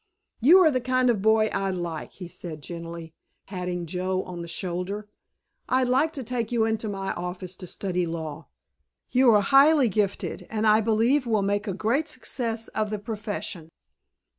"You are the kind of a boy I like," he said genially, patting Joe on the shoulder. "I'd like to take you into my office to study law. You are highly gifted, and I believe will make a great success of the profession."